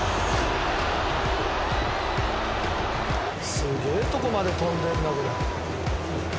「すげえとこまで飛んでるなこれ」